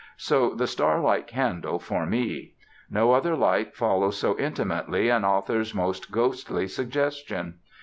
So the star like candle for me. No other light follows so intimately an author's most ghostly suggestion.